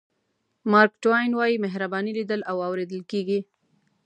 مارک ټواین وایي مهرباني لیدل او اورېدل کېږي.